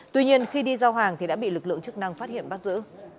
tuy nhiên khi đi giao hàng thì đã bị lực lượng chức năng phát hiện bắt giữ